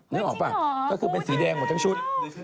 นึกออกไหมเป็นสีแดงหมดทั้งชุดได้ชุดครับ